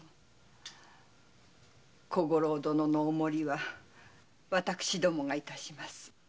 小五郎殿のお守りは私どもがいたします。